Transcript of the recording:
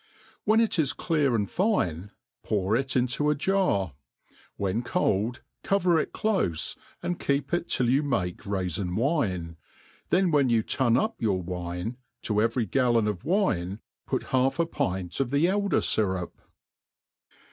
When it is clear and fine, pour it into a jar; wh€n cold, cover it clofe, and keep it till you make raifin wine; then when you tun your wine, to every gallon of wine put half a pint of the elder fyrup.